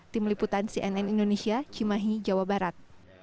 tim liputan cnn indonesia cimahi jawa barat